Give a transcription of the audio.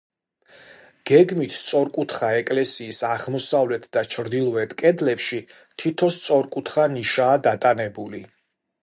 გეგმით სწორკუთხა ეკლესიის აღმოსავლეთ და ჩრდილოეთ კედლებში თითო სწორკუთხა ნიშაა დატანებული.